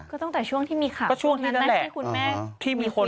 ก็ต้องตั้งช่วงที่มีขาวพวกนั้นแหละที่คุณแม็กซ์มีขาวตอนนั้น